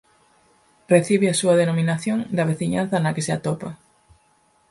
Recibe a súa denominación da veciñanza na que se atopa.